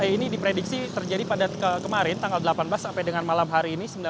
ini diprediksi terjadi pada kemarin tanggal delapan belas sampai dengan malam hari ini